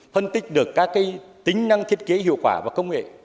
phân tích được các tính năng thiết kế hiệu quả và công nghệ